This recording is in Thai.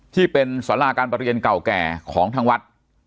ที่เป็นสาราการประเรียนเก่าแก่ของทางวัด